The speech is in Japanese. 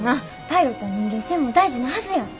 パイロットは人間性も大事なはずや。